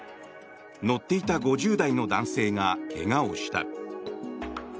乗っていた５０代の男性が怪我をした。